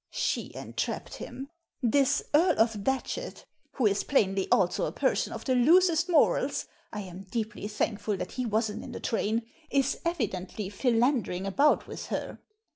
She entrapped him. This Earl of Datchet, who is plainly also a person of the loosest morals — I am deeply thankful that he wasn't in the train! — is evidently philandering about with her.